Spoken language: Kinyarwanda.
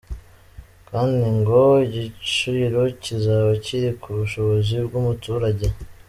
Kandi ngo igiciro kizaba kiri ku bushobozi bw’umuturage.